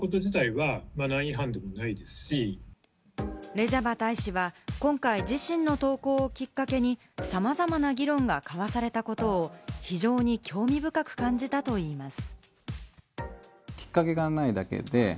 レジャバ大使は今回自身の投稿をきっかけに、さまざまな議論が交わされたことを、非常に興味深く感じたといいます。